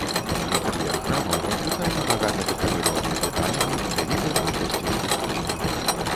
Інтэр'ер храмаў надзвычайна багата дэкарыраваны дэталямі, вялікай колькасцю скульптур.